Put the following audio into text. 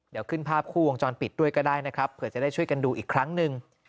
เดี๋ยวขึ้นภาพคู่วงจรปิดด้วยก็ได้นะครับเผื่อจะได้ช่วยกันดูอีกครั้งหนึ่ง